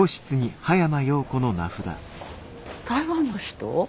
台湾の人？